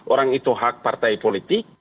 orang itu hak partai politik